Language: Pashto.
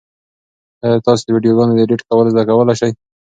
ایا تاسو د ویډیوګانو ایډیټ کول زده کولای شئ؟